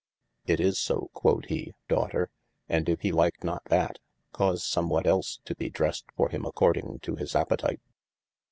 It is so (quod he) daughter, and if he like not that, cause some what els to be dressed for him according to his apetite.